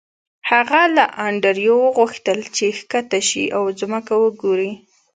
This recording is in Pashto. هغه له انډریو وغوښتل چې ښکته شي او ځمکه وګوري